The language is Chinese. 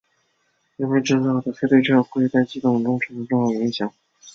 人为制造的非对称会在系统中产生重要影响。